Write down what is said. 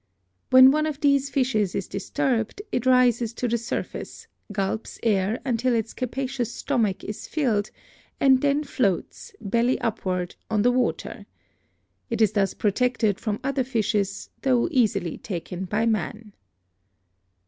When one of these fishes is disturbed it rises to the surface, gulps air until its capacious stom ach is filled and then floats, belly upward, on the water. It is thus protected from other fishes, tho easily taken by man.